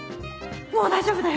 もう大丈夫だよ